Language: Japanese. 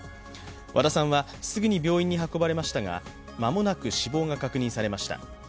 和田さんはすぐに病院に運ばれましたが、間もなく死亡が確認されました。